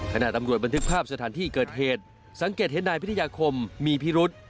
ตำรวจบันทึกภาพสถานที่เกิดเหตุสังเกตเห็นนายพิทยาคมมีพิรุษ